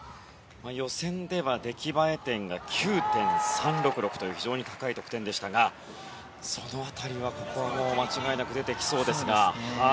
予選では出来栄え点が９．３６６という非常に高い得点でしたがその辺りは間違いなく出てきそうです。